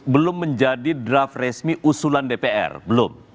belum menjadi draft resmi usulan dpr belum